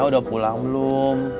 iya udah pulang belum